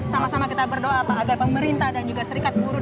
sama sama kita berdoa pak agar pemerintah dan juga serikat buruh